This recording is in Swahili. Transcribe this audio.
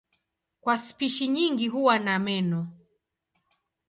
Kwa spishi nyingi huwa na meno.